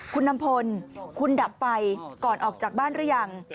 คุณนำพลคุณดับไฟก่อนออกจากบ้านหรือยัง